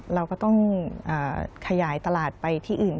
เราก็ต้องขยายตลาดไปที่อื่น